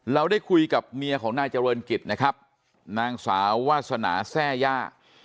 เราได้คุยกับเมียของนายเจริญกิจนะครับนางสาววาสนาแทร่ย่า